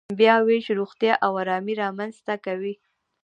بیاوېش روغتیا او ارامي رامنځته کوي.